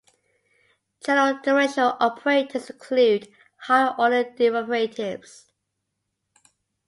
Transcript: General differential operators include higher order derivatives.